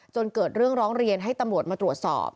เกิดเรื่องร้องเรียนให้ตำรวจมาตรวจสอบ